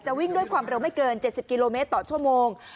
วิ่งด้วยความเร็วไม่เกิน๗๐กิโลเมตรต่อชั่วโมง